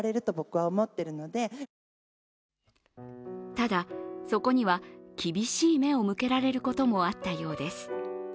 ただ、そこには厳しい目を向けられることもあったようです。